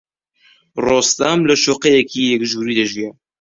ڕۆستەم لە شوقەیەکی یەک ژووری دەژیا.